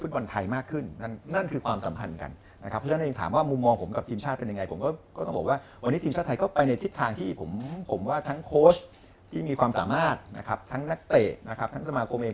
ผมว่าทั้งโค้ชที่มีความสามารถทั้งนักเตะทั้งสมาคมเอง